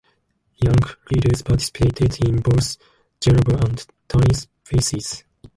Young leaders participated in both the Geneva and Tunis phases.